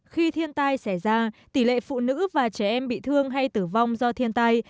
khi thiên tai xảy ra tỷ lệ phụ nữ và trẻ em bị thương hay tử vong do thiên tai